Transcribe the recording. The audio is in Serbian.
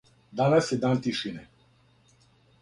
Данас је дан тишине.